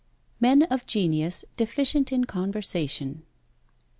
MEN OF GENIUS DEFICIENT IN CONVERSATION.